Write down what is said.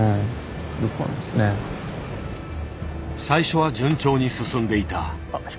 最初は順調に進んでいた。